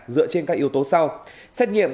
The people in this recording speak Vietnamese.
dựa trên các yếu tố sau xét nghiệm